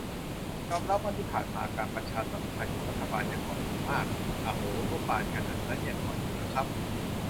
"ยอมรับว่าที่ผ่านมาการประชาสัมพันธ์ของรัฐบาลยังอ่อนอยู่มาก" อะโห งบบานขนาดนั้น ยังอ่อนอยู่เหรอครับ